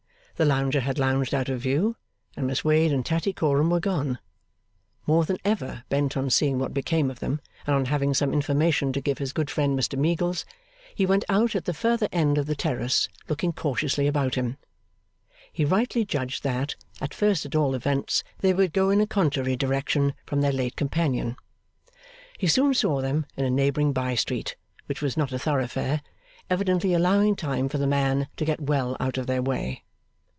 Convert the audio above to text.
The lounger had lounged out of view, and Miss Wade and Tattycoram were gone. More than ever bent on seeing what became of them, and on having some information to give his good friend, Mr Meagles, he went out at the further end of the terrace, looking cautiously about him. He rightly judged that, at first at all events, they would go in a contrary direction from their late companion. He soon saw them in a neighbouring bye street, which was not a thoroughfare, evidently allowing time for the man to get well out of their way.